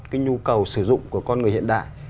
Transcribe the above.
cái nhu cầu sử dụng của con người hiện đại